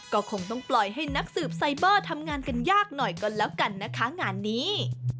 ก็คงต้องปล่อยให้นักสืบไซเบอร์ทำงานกันยากหน่อยก็แล้วกันนะคะงานนี้